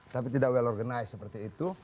tapi tidak well organized seperti itu